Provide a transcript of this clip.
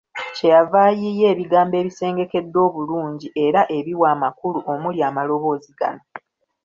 Kye yava ayiiya ebigambo ebisengekeddwa obulungi era ebiwa amakulu omuli amaloboozi gano.